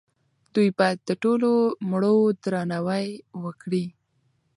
دوی باید د ټولو مړو درناوی وکړي.